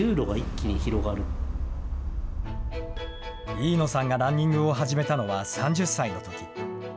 飯野さんがランニングを始めたのは３０歳のとき。